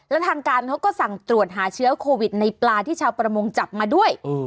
แล้วทางการเขาก็สั่งตรวจหาเชื้อโควิดในปลาที่ชาวประมงจับมาด้วย